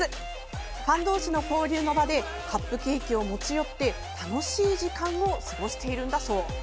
ファン同士の交流の場でカップケーキを持ち寄って楽しい時間を過ごしているんだそう。